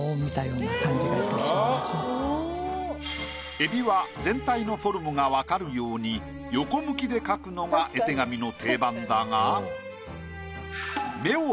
エビは全体のフォルムがわかるように横向きで描くのが絵手紙の定番だが。